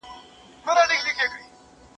¬ د هندو د کوره قرآن راووتی.